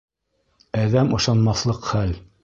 Әҙәм ышанмаҫлыҡ хәл!